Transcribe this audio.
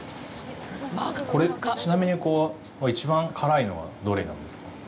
これ、ちなみに、いちばん辛いのはどれになるんですか。